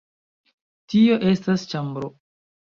Tio estas ĉambro.